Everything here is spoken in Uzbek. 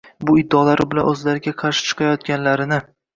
bu iddaolari bilan o‘zlariga qarshi chiqayotganlarini